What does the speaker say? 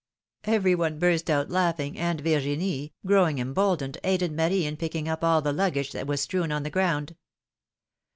^^ Everyone burst out laughing, and Virginie, growing emboldened, aided Marie in picking up all the luggage that was strewn on the ground.